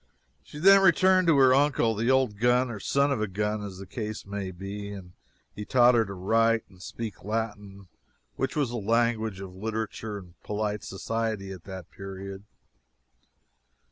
She then returned to her uncle, the old gun, or son of a gun, as the case may be, and he taught her to write and speak Latin, which was the language of literature and polite society at that period.